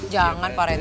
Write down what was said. jangan pak ren